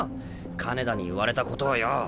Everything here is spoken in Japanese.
金田に言われたことをよぉ。